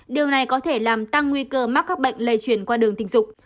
điều này có thể làm tăng nguy cơ mắc các bệnh lây chuyển qua đường tình dục